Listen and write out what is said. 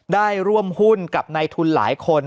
ได้ร่วมหุ้นกับในทุนหลายคน